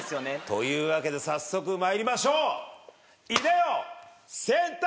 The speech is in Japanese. というわけで早速参りましょう。